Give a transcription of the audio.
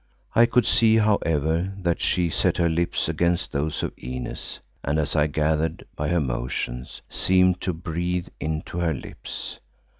I could see, however, that she set her lips against those of Inez and as I gathered by her motions, seemed to breathe into her lips.